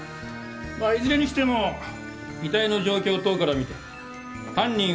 まあいずれにしても遺体の状況等から見て犯人は顔見知り。